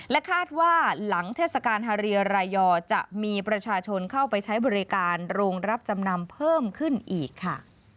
คาดว่าหลังเทศกาลฮาเรียรายอจะมีประชาชนเข้าไปใช้บริการโรงรับจำนำเพิ่มขึ้นอีกค่ะ